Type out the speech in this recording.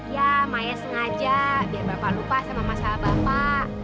ya maya sengaja biar bapak lupa sama masalah bapak